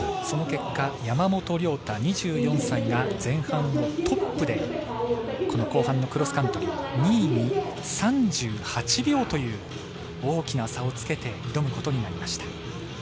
その結果山本涼太２４歳が前半のトップで後半のクロスカントリー２位に３８秒という大きな差をつけて挑むことになりました。